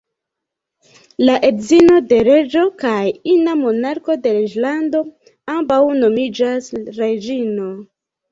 La edzino de reĝo, kaj ina monarko de reĝlando, ambaŭ nomiĝas "reĝino".